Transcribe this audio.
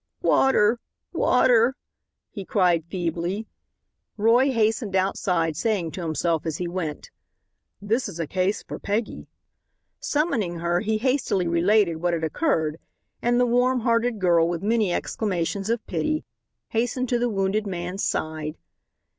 "Water! water!" he cried, feebly. Roy hastened outside saying to himself as he went: "This is a case for Peggy." Summoning her he hastily related what had occurred and the warm hearted girl, with many exclamations of pity, hastened to the wounded man's side.